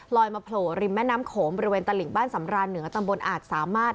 มาโผล่ริมแม่น้ำโขงบริเวณตลิ่งบ้านสำรานเหนือตำบลอาจสามารถ